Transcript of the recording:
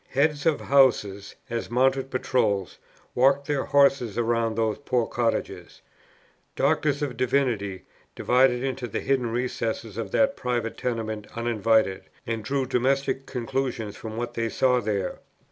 Heads of Houses, as mounted patrols, walked their horses round those poor cottages. Doctors of Divinity dived into the hidden recesses of that private tenement uninvited, and drew domestic conclusions from what they saw there.